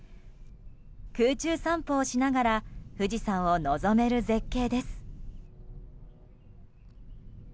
空中散歩をしながら富士山を望める絶景です。